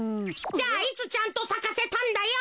じゃあいつちゃんとさかせたんだよ。